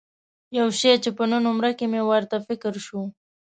یو شی چې په نن عمره کې مې ورته فکر شو.